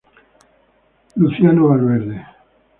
Luciano Valverde.